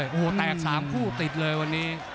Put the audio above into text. โอ้โหแตก๓คู่ติดเลยวันนี้